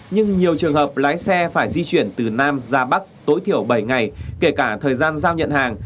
nhưng nhiều trường hợp lái xe phải di chuyển từ nam ra bắc tối thiểu bảy ngày kể cả thời gian giao nhận hàng